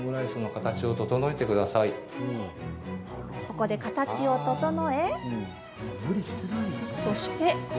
ここでカタチを整えそして。